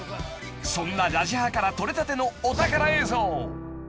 ［そんな『ラジハ』から撮れたてのお宝映像］